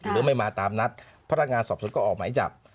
หรือไม่มาตามนัดพนักงานสอบสวนก็ออกหมายจับ